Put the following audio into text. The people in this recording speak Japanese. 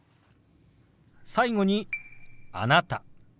最後に「あなた」。